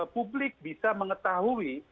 publik bisa mengetahui